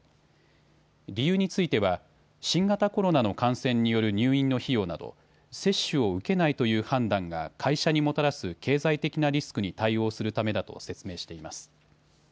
理由については新型コロナの感染による入院の費用など接種を受けないという判断が会社にもたらす経済的なリスクに対応するためだと説明しています。